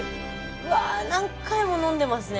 うわ何回も飲んでますね。